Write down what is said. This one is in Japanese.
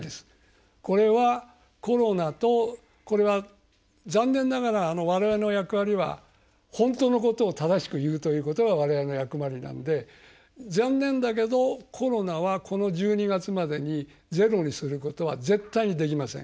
これはコロナとこれは残念ながら我々の役割は本当のことを正しく言うということが我々の役割なんで残念だけどコロナはこの１２月までにゼロにすることは絶対にできません。